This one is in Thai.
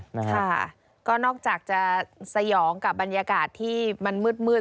นะคะก็นอกจากจะสยองกับบรรยากาศที่มันมืด